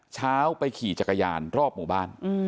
เช้าไปขี่จักรยานรอบหมู่บ้าน